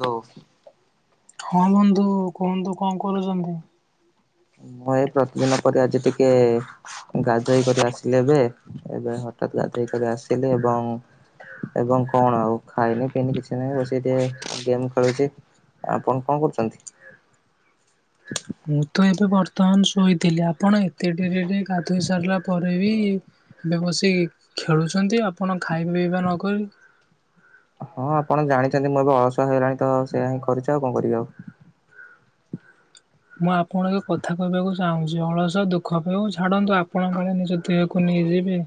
Hello. ହଁ ବନ୍ଧୁ କୁହନ୍ତୁ କଣ କରୁଛନ୍ତି? ଭଏସ ଏତେଦିନ ପରେ ଆଜି ଟିକେ ଗାଧେଇ କରିଆସିଲି ଏବେ ଏବେ ହଠାତ ଗାଧେଇକରି ଆସିଲି ଏବଂ ଏବଂ କଣ ଆଉ ଖାଇନି ପିଇନି କିଛି ନାହିଁ ବସିକି ଟିକେ ଗେମ୍ ଖେଳୁଛି। ଆପଣ କଣ କରୁଛନ୍ତି? ମୁଁ ତ ଏବେ ବର୍ତ୍ତମାନ ଶୋଇଥିଲି ଆପଣ ଏତେ ଡେରିରେ ଗାଧୋଇସାରିଲା ପରେ ବି ଏବେ ବସିିକି ଖେଳୁଛନ୍ତି ଆପଣ ଖାଇବା ପିଇବା ନକରି। ହଁ ଆପଣ ଜାଣିଛନ୍ତି ମୁଁ ଏବେ ଅଳସୁହା ହେଲାଣି ତ ସେଇଆ ହିଁ କରିଛ ଆଉ କଣ କରିବି ଆଉ? ମୁଁ ଆପଣଙ୍କ କଥା କହିବାକୁ ଚାହୁଁଛି ଅଳସୁଆ ଦୁଃଖ ପାଏ ଛାଡ଼ନ୍ତୁ ଆପଣଙ୍କ କାଳେ ନିଜ ଦେହକୁ ନେଇଯିବେ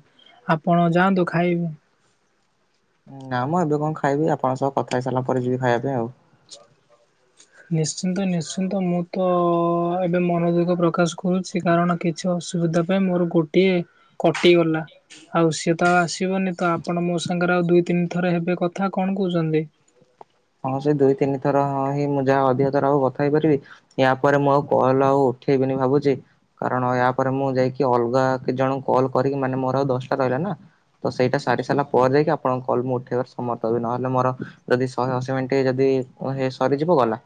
ଆପଣ ଯାଆନ୍ତୁ ଖାଇବେ? ନା ମ ଏବେ କଣ ଖାଇବି ଆପଣଙ୍କ ସହ କଥା ହେଇ ସାରିଲା ପରେ ଯିବି ଖାଇବା ପାଇଁ ଆଉ ନିଶ୍ଚିନ୍ତ ନିଶ୍ଚିନ୍ତ ମୁଁ ତ ଏବେ ମନୋଦୁଃଖ ପ୍ରକାଶ କରୁଛି କାରଣ କିଛି ଅସୁବିଧା ପାଇଁ ମୋର ଗୋଟିଏ କଟିଗଲା। ଆଉ ସିଏ ତ ଆଉ ଆସିବନି ତ ଆପଣ ମୋ ସାଙ୍ଗରେ ଆଉ ଦୁଇ ତିନି ଥର ହେବେ କଥା କଣ କହୁଛନ୍ତି? ହଁ ସେ ଦୁଇ ତିନି ଥର ହଁ ହିଁ ମୁଁ ଯାହା ଅଧିକ ଥର ଆଉ କଥା ହେଇପାରିବି। ୟା ପରେ ମୁଁ ଆଉ କଲ ଆଉ ଉଠେଇବିନି ଭାବୁଛି। କାରଣ ୟା ପରେ ମୁଁ ଯାଇକି ଅଲଗା କେତେ ଜଣଙ୍କୁ କଲ୍ କରିକି ମାନେ ମୋର ଆଉ ଦଶଟା ରହିଲା ନା। ତ ସେଇଟା ସାରି ସାରିଲା ପରେ ଯାଇକି ଆପଣଙ୍କ କଲ ମୁଁ ଉଠେଇବାର ସମର୍ଥ ହେବି ନହେଲେ ମୋର ଯଦି ଶହେ ଅଶୀ ମିନିଟ୍ ଯଦି ସରିଯିବ ଗଲା।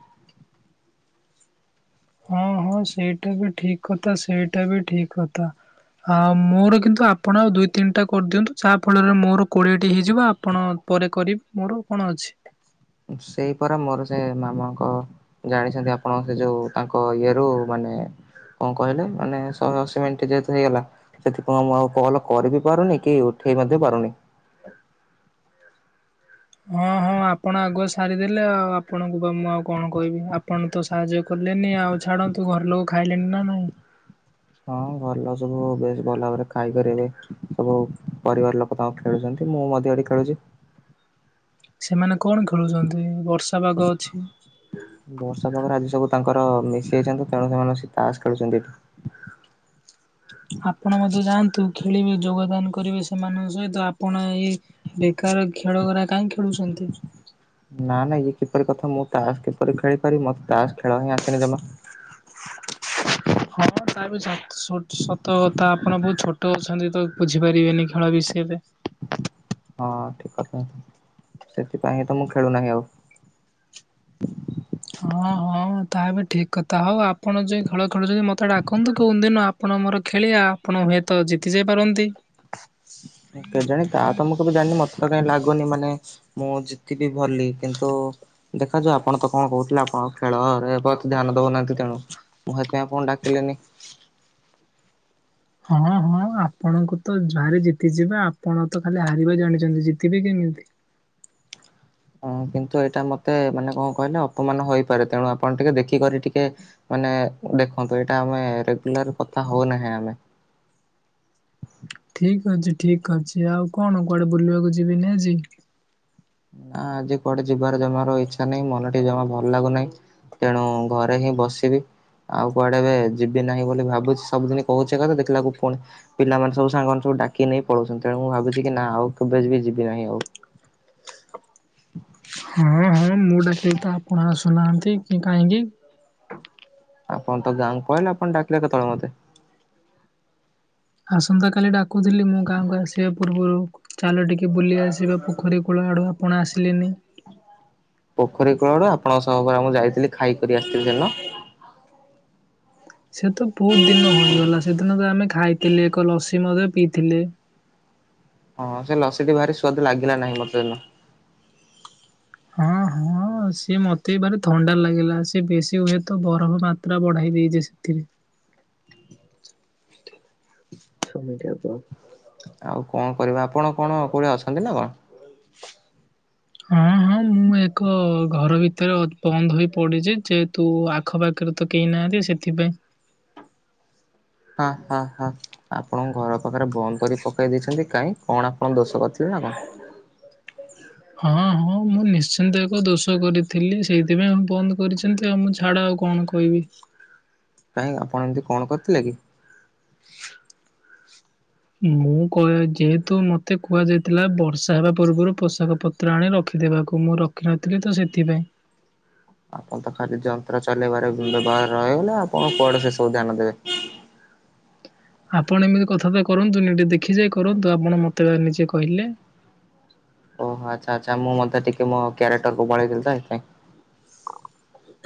ହ ହଁ ସେଇଟା ବି ଠିକ କଥା ସେଇଟା ବି ଠିକ କଥା। ଆଉ ମୋର କିନ୍ତୁ ଆପଣ ଆଉ ଦୁଇ ତିନିଟା କରିଦିଅନ୍ତୁ ଯାହା ଫଳରେ ମୋର କୋଡ଼ିଏଟି ହେଇଯିବ ଆପଣ ପରେ କରିବେ ମୋର କଣ ଅଛି? ସେଇ ପରା ମୋର ସେ ମାମାଙ୍କ ଜାଣିଛନ୍ତି ଆପଣ ସେ ଯୋଉ ତାଙ୍କ ଇଏରୁୁ ମାନେ କଣ କହିଲେ ମାନେ ଶହେ ଅଶୀ ମିନିଟ ଯେହେତୁ ହେଇଗଲା। ସେଥିପାଇଁ ମୁଁ ଆଉ କଲ କରିିବି ପାରୁନି କି ଉଠେଇ ମଧ୍ୟ ପାରୁନି। ହଁ ହଁ ଆପଣ ଆଗୁଆ ସାରିଦେଲେ ଆଉ ଆପଣଙ୍କୁ ବା ମୁଁ ଆଉ କଣ କହିବି ଆପଣ ତ ସାହାଯ୍ୟ କଲେନି ଆଉ ଛାଡ଼ନ୍ତୁ ଘର ଲୋକ ଖାଇଲେନି ନା ନାଇଁ? ହଁ ଭଲ ସବୁ ବେଶ ଭଲ ଭାବରେ ଖାଇକିରି ସବୁ ପରିବାର ଲୋକ ତାଙ୍କୁ ଖେଳୁଛନ୍ତି ମୁଁ ମଧ୍ୟ ଏଠି ଖେଳୁଛି। ସେମାନେ କଣ ଖେଳୁଛନ୍ତି ବର୍ଷା ପାଗ ଅଛି? ବର୍ଷା ପାଗରେ ଆଜି ସବୁ ତାଙ୍କର ମିଶି ଯାଇଛନ୍ତି ତେଣୁ ସେମାନେ ବସି ତାସ ଖେଳୁଛନ୍ତି ଏଠି। ଆପଣ ମଧ୍ୟ ଯାଆନ୍ତୁ ଖେଳିବେ ଯୋଗଦାନ କରିବେ ସେମାନଙ୍କ ସହିତ ଆପଣ ଏଇ ବେକାର ଖେଳଗରା କାଇଁ ଖେଳୁଛନ୍ତି? ନା ନା ଇଏ କିପରି କଥା ମୁଁ ତାସ କିପରି ଖେଳିପାରିବି, ମତେ ତାସ ଖେଳ ହିଁ ଆସିନି ଜମା। ହଁ ତା ବି ସ ସ ସତ କଥା ଆପଣ ବହୁତ ଛୋଟ ଅଛନ୍ତି ତ ବୁଝିପାରିବେନି ଖେଳ ବିଷୟରେ। ହଁ ଠିକ କଥା ସେଥିପାଇଁଁ ତ ମୁଁ ଖେଳୁନାହିଁ ଆଉ। ହଁ ହଁ ତା ବି ଠିକ କଥା ହଉ ଆପଣ ଯୋଉ ଖେଳ ଖେଳୁଛନ୍ତି ମତେ ଡାକନ୍ତୁ କୋଉ ଦିନ ଆପଣ ମୋର ଖେଳିଆ ଆପଣ ହୁଏତ ଜିତିଯାଇ ପାରନ୍ତି? କେଜାଣି ତା ତ ମୁଁ କେବେ ଜାଣିନି ମତେ ତ କାଇଁ ଲାଗୁନି ମାନେ ମୁଁ ଜିତିିବି ଭଲି କିନ୍ତୁ ଦେଖାଯାଉ ଆପଣ ତ କଣ କହୁଥିଲେ ଆପଣ ଖେଳରେ ବହୁତ ଧ୍ୟାନ ଦଉନାହାନ୍ତି ତେଣୁ। ମୁଁ ସେଥିପାଇଁ ଆପଣଙ୍କୁ ଡାକିଲିନି। ହଁ ହଁ ଆପଣଙ୍କୁ ତ ଯହାରି ଜିତିଯିବେ ଆପଣ ତ ଖାଲି ହାରିବା ଜାଣିଛନ୍ତି ଜିତିବେ କେମିତି? ହଁ କିନ୍ତୁ ଏଇଟା ମତେ ମାନେ କଣ କହିଲେ ଅପମାନ ହେଇପାରେ ତେଣୁ ଆପଣ ଟିକେ ଦେଖିକରି ଟିକେ ମାନେ ଦେଖନ୍ତୁ ଏଇଟା ଆମେ ରେଗୁଲାର କଥା ହଉ ନାହିଁ ଆମେ? ଠିକ ଅଛି ଠିକ୍ ଅଛି ଆଉ କଣ କୁଆଡେ ବୁଲିବାକୁ ଯିବେନି ଆଜି? ଆଁ ଆଜି କୁଆଡେ ଯିବାର ଜମାରୁ ଇଚ୍ଛା ନାହିଁ ମନ ଟି ଜମା ଭଲ ଲାଗୁନାହିଁ। ତେଣୁ ଘରେ ହିଁ ବସିବି। ଆଉ କୁଆଡେ ଏବେ ଯିବି ନାହିଁ ବୋଲି ଭାବୁଛି ସବୁଦିନ କହୁଛି ଘରେ ଦେଖିଲାକୁ ପୁଣି। ପିଲାମାନେ ସବୁ ସାଙ୍ଗମାନେ ସବୁ ଡାକି ନେଇ ପଳଉଛନ୍ତି ତେଣୁ ମୁଁ ଭାବୁଛି କି ନା ଆଉ କେବେ ବି ଯିବି ନାହିଁ ଆଉ। ହଁ ହଁ ମୁଁ ଡାକିଲି ତ ଆପଣ ଆସୁନାହାଁନ୍ତି କି କାହିଁକି? ଆପଣ ତ ଗାଁ କୁ କଇନେ ଆପଣ ଡାକିଲେ କେତେବେଳେ ମୋତେ? ଆସନ୍ତାକାଲି ଡାକୁଥିଲି ମୁଁ ଗାଁକୁ ଆସିବା ପୂର୍ବରୁ। ଚାଲ ଟିକେ ବୁଲି ଆସିବା ପୋଖରୀ କୂଳ ଆଡ଼ୁ ଆପଣ ଆସିଲେନି? ପୋଖରୀ କୂଳରୁ ଆପଣଙ୍କ ସହ ପରା ମୁଁ ଯାଇଥିଲି ଖାଇକରି ଆସିଥିଲି ସେଦିନ। ସେ ତ ବହୁତ ଦିନ ହୋଇଗଲା ସେଦିନ ତ ଆମେ ଖାଇଥିଲେ ଏକ ଲସି ମଧ୍ୟ ପିଇଥିଲେ। ହଁ ସେ ଲସିଟି ଭାରି ସୁ୍ୱାଦ ଲାଗିଲା ନାହିଁ ମତେ ସେଦିନ। ହଁ ହଁ। ହଁ ସିଏ ମତେ ବି ବାର ଥଣ୍ଡା ଲାଗିଲା ସେ ବେଶୀ ହୁଏତ ବରଫ ମାତ୍ରା ବଢେଇ ଦେଇଛି ସେଥିରେ। [unintelligible] ଆଉ କଣ କରିବା ଆପଣ କଣ କୋଉଠି ଅଛନ୍ତି ନା କଣ? ହଁ ହଁ ମୁଁ ମୁଁ ଏକ ଘର ଭିତରେ ବନ୍ଦ ହୋଇ ପଡିଛି ଯେହେତୁ ଆଖପାଖରେ ତ କେହି ନାହାଁନ୍ତି ସେଥିପାଇଁ। ହା ହା ହା। ଆପଣଙ୍କ ଘର ପାଖରେ ବନ୍ଦ କରି ପକେଇ ଦେଇଛନ୍ତି। କାଇଁ କଣ ଆପଣ ଦୋଷ କରିିଥିଲେ ନା କଣ? ହଁ ହଁ ମୁଁ ନିଶ୍ଚିନ୍ତ ଏକ ଦୋଷ କରିଥିଲି, ସେଇଥିପାଇଁ ବନ୍ଦ କରିଛନ୍ତି ଆଉ ମୁଁ ଛାଡ ଆଉ କଣ କ କଇବି। କାଇଁ ଆପଣ ଏମିତି କଣ କରିଥିଲେ କି? ମୁଁ କଇଆ ଯେହେତୁ ମତେ କୁହାଯାଇଥିଲା ବର୍ଷା ହେବା ପୂର୍ବରୁ ପୋଷାକ ପ ତ୍ର ଆଣି ରଖିଦେବାକୁ ମୁଁ ରଖିନଥିଲି ତ ସେଥିପାଇଁ। ଆପଣ ତ ଖାଲି ଯନ୍ତ୍ର ଚଲେଇବାରେ ବ୍ୟବହାର ରହିଗଲେ ଆପଣ କୁଆଡେ ସେ ସବୁ ଧ୍ୟାନ ଦେବେ। ଆପଣ ଏମିତି କଥାବାର୍ତ୍ତା କରନ୍ତୁ ନି ଟିକେ ଦେଖି ଯାଇ କରନ୍ତୁ ଆପଣ ମତେ ବା ନିଜେ କହିଲେ। ଓହୋ ଆଚ୍ଛା ଆଚ୍ଛା ମୁଁ ମଧ୍ୟ ଟିକେ ମୋ କ୍ୟାରେକ୍ଟରକୁ ପଳେଇଥିଲି ତ ସେଥିପାଇଁ।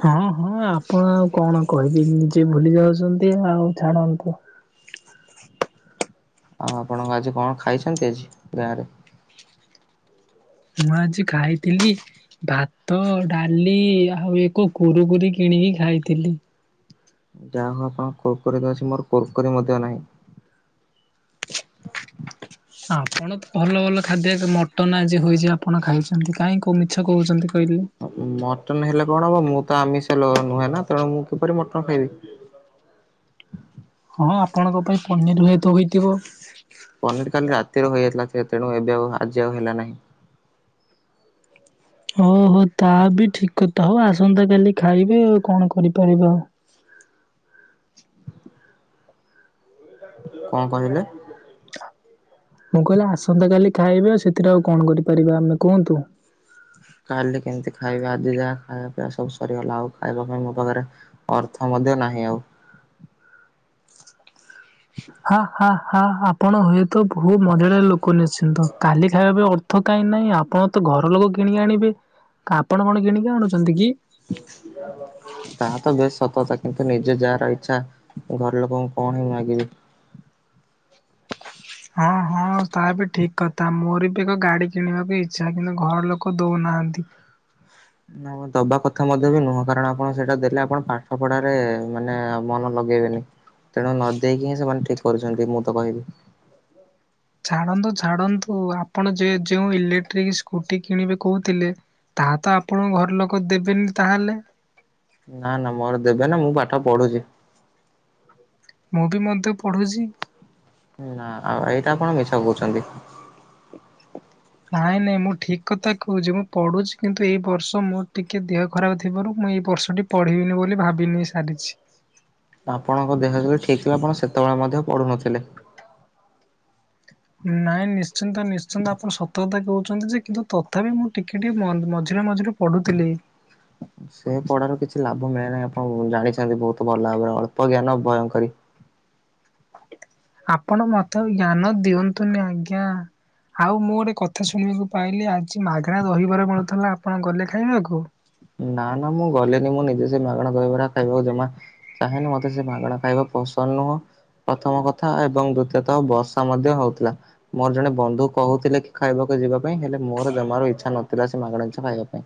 ହଁ ହଁ ଆପଣ ଆଉ କଣ କହିବେ ନିଜେ ଭୁଲି ଯାଉଛନ୍ତି ଆଉ ଛାଡ଼ନ୍ତୁ। ଆଉ ଆପଣଙ୍କ ଆଜି କଣ ଖାଇଛନ୍ତି ଆଜି ଗାଁ ରେ? ମୁଁ ଆଜି ଖାଇଥିଲି ଭାତ, ଡାଲି ଆଉ ଏକ କୁରୁକୁରି କିଣିକି ଖାଇଥିଲି। ଯାହା ହଉ ଆପଣ କୁରୁକୁରି ତ ଅଛି। ମୋର କରୁକୁରି ମଧ୍ୟ ନାହିଁ। ଆପଣ ତ ଭଲ ଭଲ ଖାଦ୍ୟ ମଟନ୍ ଆଜି ହୋଇଛି ଆପଣ ଖାଇଛନ୍ତି। କାଇଁ କୋଉ ମିଛ କହୁଛନ୍ତି କହିଲେ। ଅ, ମଟନ୍ ହେଲେ କଣ ହବ, ମୁଁ ତ ଆମିଷ ଲ- ନୁହେଁ ନା ତେଣୁ ମୁଁ କିପରି ମଟନ୍ ଖାଇବି। ହଁ ଆପଣଙ୍କ ପାଇଁ ପନିର୍ ହୁଏତ ହୋଇଥିବ। ପନିର୍ କାଲି ରାତିରୁ ହୋଇଯାଇଥିଲା। ସେ ତେଣୁ ଏବେ ଆଉ ଆଜି ଆଉ ହେଲା ନାହିଁ। ଓହୋ, ତା ବି ଠିକ କଥା ହଉ ଆସନ୍ତା କାଲି ଖାଇବେ ଆଉ କଣ କରିପାରିବେ ଆଉ। କଣ କହିଲେ? ମୁଁ କହିଲି ଆସନ୍ତା କାଲି ଖାଇବେ ଆ, ସେଥିରେ ଆଉ କଣ କରିପାରିବା ଆମେ କୁହନ୍ତୁ। କାଲି କେମିତି ଖାଇବି, ଆଜି ଯାହା ଖାଇବା ପିଇବା ସବୁ ସରିଗଲା। ଆଉ ଖାଇବା ପାଇଁ ମୋ ପାଖରେ ଅର୍ଥ ମଧ୍ୟ ନାହିଁ ଆଉ। ହା, ହା, ହା ଆପଣ ହୁଏତ ବହୁତ ମଜାଳିଆ ଲୋକ ନିଶ୍ଚିନ୍ତ। କାଲି ଖାଇବା ପାଇଁ ଅର୍ ଥ କାଇଁ ନାଇଁ ଆପଣ ତ ଘର ଲୋକ କିଣିକି ଆଣିବେ। ଆପଣ କଣ କିଣିକି ଆଣୁଛନ୍ତି କି? [inaudible] ତାହା ତ ବେସ୍ ସତ କଥା, କିନ୍ତୁ ନିଜେ ଯାହର ଇଚ୍ଛା ଘର ଲୋକଙ୍କୁ କଣ ହି ମାଗିବି। ହଁ, ହଁ ତା ବି ଠିକ କଥା, ମୋର ବି ଏକ ଗାଡି କିଣିବାକୁ ଇଚ୍ଛା। କିନ୍ତୁ ଘର ଲୋକ କ ଦଉନାହାନ୍ତି। ନା ଦବା କଥା ମଧ୍ୟ ବି ନୁହଁ। କାରଣ ଆପଣ ସେଟା ଦେଲେ ଆପଣ ପାଠ ପଢାରେ ମାନେ ମନ ଲଗେଇବେନି। ତେଣୁ ନ ଦେଇେଇକି ହିଁ ସେମାନେ ଠିକ କରୁଛନ୍ତି ମୁଁ ତ କହିବି। ଛାଡ଼ନ୍ତୁ, ଛାଡ଼ନ୍ତୁ ଆପଣ ଯେ ଯେଉଁ ଇଲେକ୍ଟ୍ରିକ ସ୍କୁଟି କିଣିବେ କଉଥିଲେ ତାହା ତ ଆପଣଙ୍କ ଘର ଲୋକ ଦେବେନି ତାହେଲେ? ନା, ନା ମୋର ଦେବେ ନା ମୁଁ ପାଠ ପଢୁଚି। ମୁଁ ବି ମଧ୍ୟ ପଢ଼ୁଛି। ନା ଆଉ ଏଇଟା ଆପଣ ମିଛ କହୁଛନ୍ତି। ନାଇଁ, ନାଇଁ ମୁଁ ଠିକ କଥା କହୁଚି। ମୁଁ ପଢୁଛି, କିନ୍ତୁ ଏଇ ବର୍ଷ ମୋର ଟିକେ ଦେହ ଖରାପ ଥିବାରୁ ମୁଁ ଏଇ ବର୍ଷଟି ପଢ଼ିବିନି ବୋଲି ଭାବିନେଇ ସାରିଛି। ଆପଣଙ୍କ ଦେହ ଯେତେଳେ ଠିକ୍ ଥିଲା ଆପଣ ସେତେବେଳେ ମଧ୍ୟ ପଢୁନଥିଲେ। ନାଇଁ ନିଶ୍ଚିନ୍ତ ନିଶ୍ଚିନ୍ତ ଆପଣ ସତ କଥା କହୁଛନ୍ତି ଯେ। କିନ୍ତୁ ତ ଥାପି ମୁଁ ଟିକିଏ ଟିକିଏ ମନ୍ ମଝିରେ ମଝିରେ ପଢ଼ୁଥିଲି। ସେ ପଢାରୁ କିଛି ଲାଭ ମିଳେ ନାହିଁ। ଆପଣ ଉ, ଜାଣିଛନ୍ତି ବହୁତ ଭଲ ଭାବରେ। ଅଳ୍ପ ଜ୍ଞାନ ଭୟଙ୍କରି। ଆପଣ ମୋତେ ଆଉ ଜ୍ଞାନ ଦିଅନ୍ତୁନି ଆଜ୍ଞା। ଆଉ ମୁଁ ଗୋଟେ କଥା ଶୁଣିବାକୁ ପାଇଲି ଆଜି ମାଗଣା ଦହିବରା ମିଳୁଥିଲା ଆପଣ ଗଲେ ଖାଇବାକୁ? ନା, ନା ମୁଁ ଗଲେନି ମୁଁ ନିଜେ ସେ ମାଗଣା ଦହିବରା ଖାଇବାକୁ ଜମା ଚାହେଁନି। ମୋତେ ସେ ମାଗଣା ଖାଇବା ପସନ୍ଦ ନୁହଁ। ପ୍ରଥମ କଥା ଏବଂ ଦ୍ଵୁତୀୟତଃ ବର୍ଷା ମଧ୍ୟ ହଉଥିଲା। ମୋର ଜଣେ ବନ୍ଧୁ କହୁଥିଲେ କି ଖାଇବାକୁ ଯିବା ପାଇଁ। ହେଲେ ମୋର ଜମାରୁ ଇଚ୍ଛା ନଥିଲା ସେ ମାଗଣା ଜିନିଷ ଖାଇବା ପାଇଁ।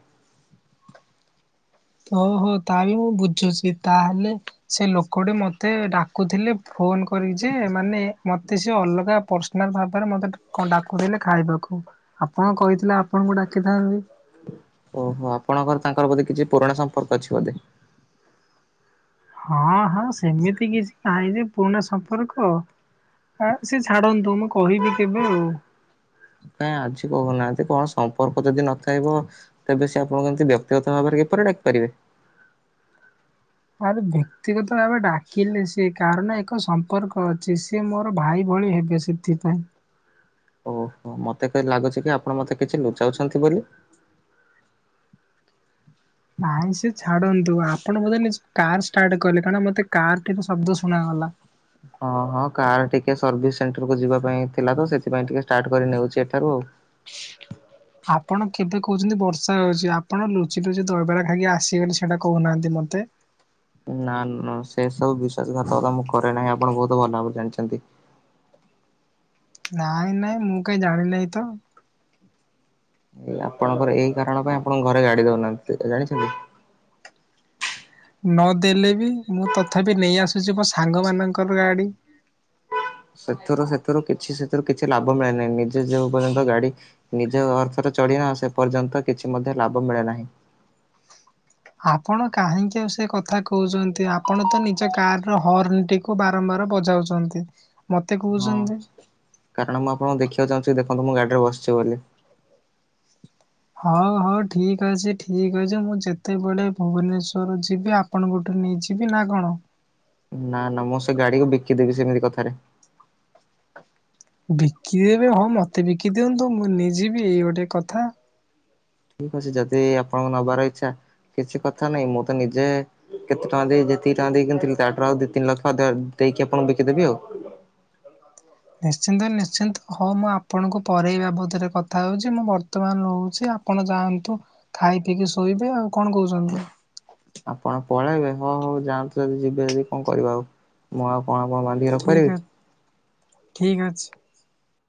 ଓହୋ, ତା ବି ମୁଁ ବୁଝୁଛି, ତାହେଲେ ସେ ଲୋକଟି ମୋତେ ଡାକୁଥିଲେ ଫୋନ୍ କରିକି ଯେ ମାନେ ମୋତେ ସିଏ ଅଲଗା ପର୍ସନାଲ୍ ଭାବରେ ମୋତେ କଣ ଡାକୁଥିଲେ ଖାଇବାକୁ। ଆପଣ କହିଥିଲେ ଆପଣଙ୍କୁ ଡାକିଥାନ୍ତି। ଓହୋ! ଆପଣଙ୍କର ତାଙ୍କର ବୋଧେ କିଛି ପୁରୁଣା ସମ୍ପର୍କ ଅଛି ବୋଧେ? ହଁ, ହଁ ସେମିତି କିଛି ନାହିଁ ଯେ ପୁରୁଣା ସମ୍ପର୍କ। ହଁ ସେ ଛାଡ଼ନ୍ତୁ ମୁଁ କହିବି କେବେ ଆଉ। କାଇଁ ଆଜି କହୁନାହାନ୍ତି କଣ ସମ୍ପର୍କ ଯଦି ନଥାଇବ ତେବେ ସେ ଆପଣଙ୍କୁ କେମିତି ବ୍ୟତିଗତ ଭାବରେ କିପରି ଡାକିପାରିବେ? ଆରେ ବ୍ୟକ୍ତିଗତ ଭାବେ ଡାକିଲେ ସିଏ କାରଣ ଏକ ସମ୍ପର୍କ ଅଛି। ସିଏ ମୋର ଭାଇ ଭଳି ହେବେ। ସେ ଥିପାଇଁ। ଓହୋ! ମୋତେ କାଇଁ ଲାଗୁଛି କି ଆପଣ ମୋତେ କିଛି ଲୁଚାଉଛନ୍ତି ବୋଲି? ନାଇଁ ସିଏ ଛାଡ଼ନ୍ତୁ, ଆପଣ ବୋଧେ ଲେ -କାର୍ ଷ୍ଟାର୍ଟ କଲେ। କାରଣ ମୋତେ କାର୍ ଟିର ଶବ୍ଦ ଶୁଣାଗଲା। [unintelligible] ହଁ ହଁ କାର୍ ଟିକେ ସର୍ଭିସ୍ ସେଣ୍ଟର କୁ ଯିବା ପାଇଁ ଥିଲା ତ ସେଥିପାଇଁ ଟିକେ ଷ୍ଟାର୍ଟ କରି ନେଉଛି ଏଠାରୁ ଆଉ। [unintelligible] ଆପଣ କେବେ କହୁଛନ୍ତି ବର୍ଷା ହେଉଛି ଆପଣ ଲୁଚି ଲୁଚି ଦହିବରା ଖାଇକି ଆସିଗଲେ ସେଇଟା କହୁନାହାନ୍ତି ମୋତେ। ନା ନା ସେ ସବୁ ବିଶ୍ଵାସ ଘାତକତା ମୁଁ କରେ ନାହିଁ ଆପଣ ବହୁତ ଭଲ ଭାବରେ ଜାଣିଛନ୍ତି। ନାଇଁ ନାଇଁ ମୁଁ କାହିଁ ଜାଣିିନାହିଁ ତ! ଏ ଆପଣଙ୍କର ଏଇ କାରଣ ପାଇଁ ଆପଣଙ୍କ ଘରେ ଗାଡି ଦଉନାହାନ୍ତି ଏଇଟା ଜାଣିଛନ୍ତି? ନ ଦେଲେ ବି ମୁଁ ତଥାପି ନେଇ ଆସୁଛି ମୋ ସାଙ୍ଗ ମାନଙ୍କର ଗାଡି। ସେଥିରୁ ସେଥିରୁ କିଛି ସେଥିରୁ କିଛି ଲାଭ ମିଳେନାହିଁ ନିଜେ ଯେଉ ପର୍ଯ୍ୟନ୍ତ ଗାଡି ନିଜ ଅର୍ଥରେ ଚଢିବା ସେ ପର୍ଯ୍ୟନ୍ତ କିଛି ମଧ୍ୟ ଲାଭ ମିଳେ ନାହିଁ। ଆପଣ କାହିଁକି ଆଉ ସେ କଥା କହୁଛନ୍ତି ଆପଣ ତ ନିଜ କାର ର ହର୍ଣ ଟିକେ କୁ ବାରମ୍ବାର ବଜାଉଛନ୍ତି ମତେ ହଁ କହୁଛନ୍ତି କାରଣ ମୁଁ ଆପଣଙ୍କୁ ଦେଖିବାକୁ ଚାହୁଁଛି ଦେଖନ୍ତୁ ମୁଁ ଗାଡିରେ ବସିଛି ବୋଲି। ହଉ ହଉ ଠିକ ଅଛି ଠିକ୍ ଅଛି ମୁଁ ଯେତେବେଳେ ଭୁବନେଶ୍ୱର ଯିବି ଆପ ଆପଣଙ୍କଠୁ ନେଇଯିବି ନା କଣ? ନା ନା ମୁଁ ସେ ଗାଡିକୁ ବିକିଦେବି ସେମିତି କଥାରେ। ବିକିଦେବେ ହଁ ମତେ ବିକି ଦିଅନ୍ତୁ ମୁଁ ନେଇଯିବି ଏଇ ଗୋଟେ କଥା। ଠିକ ଅଛି ଯଦି ଆପଣଙ୍କୁ ନବାର ଇଚ୍ଛା କିଛି କଥା ନାହିଁ ମୁଁ ତ ନିଜେ କେତେ ଟଙ୍କା ଦେଇ ଯେତିକି ଟଙ୍କା ଦେଇି କିଣିଥିଲି ତା ଠାରୁ ଆଉ ଦି ତିନି ଲକ୍ଷ ଅଧିକ ଦେଇ ଆପଣଙ୍କୁ ବିକିଦେବି ଆଉ। ନିଶ୍ଚିନ୍ତ ନିଶ୍ଚିନ୍ତ ହଉ ମୁଁ ଆପଣଙ୍କୁ ପରେେ ଏଇ ବାବଦରେ କଥା ହଉଛି ମୁଁ ବର୍ତ୍ତମାନ ରହୁଛି ଆପ ଆପଣ ଯାଆନ୍ତୁ ଖାଇ ପିଇକି ଶୋଇବେ ଆଉ କଣ କହୁଛନ୍ତି? ଆପଣ ପଳେଇବେ ହଁ ହଉ ଯାଆନ୍ତୁ ଯଦି ଯିବେ ଯଦି କଣ କରିବା ଆଉ ମୁଁ ଆଉ କଣ କଣ ଠିକ ଠିକ ଅଛି।